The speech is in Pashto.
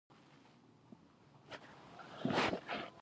افغانستان د کابل له پلوه له نورو هېوادونو سره اړیکې لري.